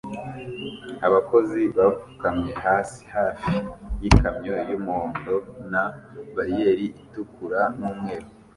Abakozi bapfukamye hasi hafi y'ikamyo y'umuhondo na bariyeri itukura n'umweru